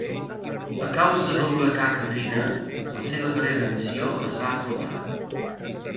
A causa de l'huracà Katrina, la seva darrera missió es va acurtar.